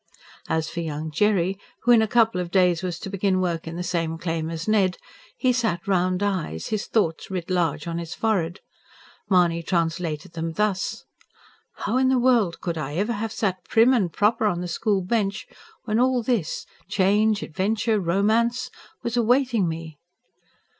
As for young Jerry, who in a couple of days was to begin work in the same claim as Ned, he sat round eyed, his thoughts writ large on his forehead. Mahony translated them thus: how in the world I could ever have sat prim and proper on the school bench, when all this change, adventure, romance was awaiting me?